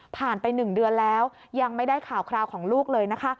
ไป๑เดือนแล้วยังไม่ได้ข่าวคราวของลูกเลยนะคะ